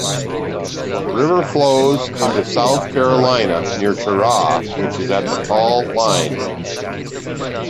The river flows into South Carolina near Cheraw, which is at the fall line.